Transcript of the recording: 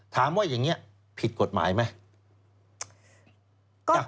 ถามว่าอย่างนี้ผิดกฎหมายไหม